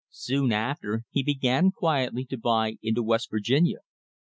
Soon after he began quietly to buy into West Virginia.